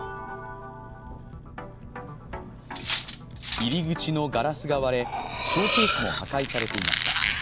入り口のガラスが割れ、ショーケースも破壊されていました。